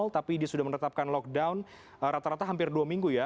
tapi dia sudah menetapkan lockdown rata rata hampir dua minggu ya